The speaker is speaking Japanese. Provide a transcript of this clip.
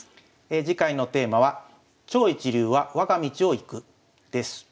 次回のテーマは「超一流はわが道を行く」です。